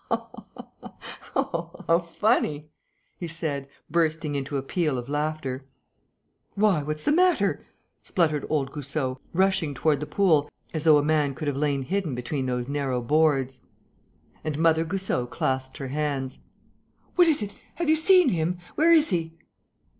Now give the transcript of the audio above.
"Oh, how funny!" he said, bursting into a peal of laughter. "Why, what's the matter?" spluttered old Goussot, rushing toward the pool, as though a man could have lain hidden between those narrow boards. And Mother Goussot clasped her hands. "What is it? Have you seen him? Where is he?"